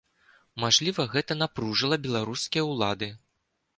Мажліва, гэта напружыла беларускія ўлады?